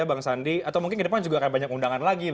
atau mungkin ke depan juga akan banyak undangan lagi